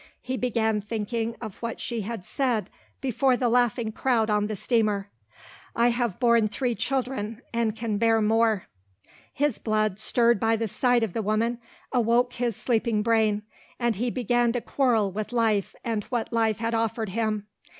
He began thinking of what she had said before the laughing crowd on the steamer. "I have borne three children and can bear more." His blood, stirred by the sight of the woman, awoke his sleeping brain, and he began again to quarrel with life and what life had offered him.